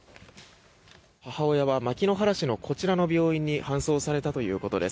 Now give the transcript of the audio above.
母親は牧之原市のこちらの病院に搬送されたということです。